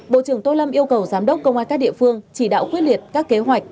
bộ trưởng tô lâm yêu cầu giám đốc công an các địa phương chỉ đạo quyết liệt các kế hoạch